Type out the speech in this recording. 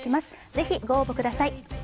ぜひご応募ください。